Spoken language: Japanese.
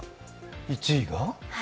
１位が？